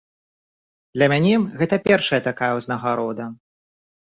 Для мяне гэта першая такая ўзнагарода.